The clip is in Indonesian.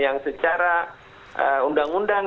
yang secara undang undang